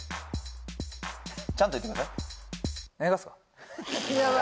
ちゃんと言ってください